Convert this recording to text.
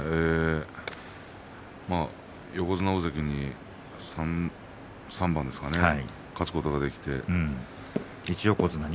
横綱大関に３番ですかね、勝つことができて。